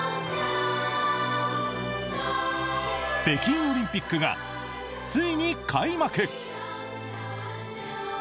北京オリンピックがついに開幕！